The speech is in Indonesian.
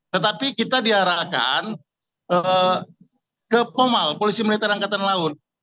tetapi kita diarahkan ke pomal polisi militer angkatan laut